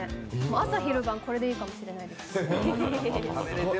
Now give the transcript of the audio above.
朝昼晩、これでいいかもしれないです。